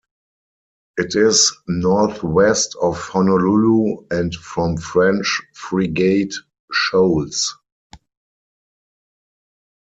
It is northwest of Honolulu and from French Frigate Shoals.